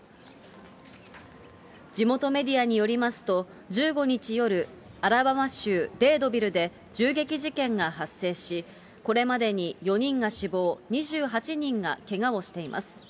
地元メディアによりますと、１５日夜、アラバマ州デードビルで銃撃事件が発生し、これまでに４人が死亡、２８人がけがをしています。